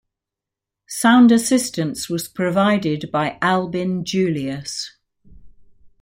Sound assistance was provided by Albin Julius.